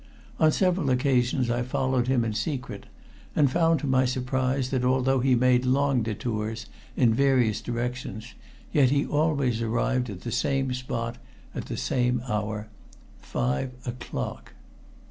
On several occasions I followed him in secret, and found to my surprise that although he made long detours in various directions, yet he always arrived at the same spot at the same hour five o'clock.